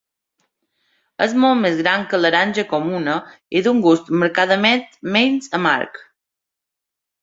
És molt més gran que l'aranja comuna i d'un gust marcadament menys amarg.